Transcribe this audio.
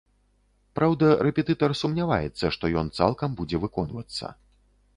Праўда, рэпетытар сумняваецца, што ён цалкам будзе выконвацца.